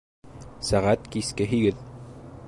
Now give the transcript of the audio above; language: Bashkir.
Сәғәт киске һигеҙ